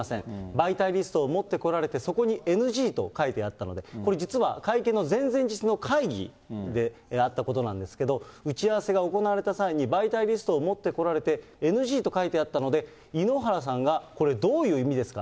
媒体リストを持って来られて、そこにＮＧと書いてあったので、これ実は、会見の前々日の会議であったことなんですけど、打ち合わせが行われた際に、媒体リストを持ってこられて、ＮＧと書いてあってので、井ノ原さんが、これどういう意味ですか？